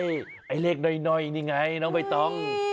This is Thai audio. ไม่ใช่ไอ้เลขน้อยนี่ไงเนอะเบาย่กตั้ง